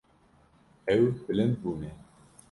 Ew bilind bûne.